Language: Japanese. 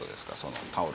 タオルに。